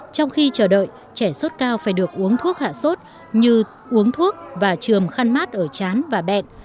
trong khi chờ đợi trẻ sốt cao phải được uống thuốc hạ sốt như uống thuốc và trường khăn mát ở chán và bẹn